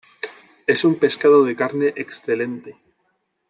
Es un pescado de carne excelente.